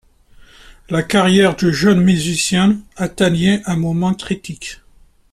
La carrière du jeune musicien atteignait un moment critique.